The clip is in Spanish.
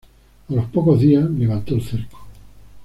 A los pocos días levantó el cerco.